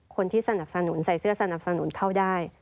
คนที่สนับสนุนใส่เสื้อสนับสนุนเข้าได้